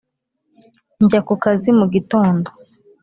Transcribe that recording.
njya ku kazi mu gitondo